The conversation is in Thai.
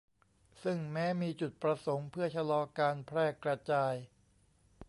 ซึ่งแม้มีจุดประสงค์เพื่อชะลอการแพร่กระจาย